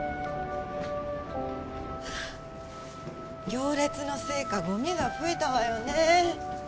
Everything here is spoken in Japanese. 行列のせいかゴミが増えたわよね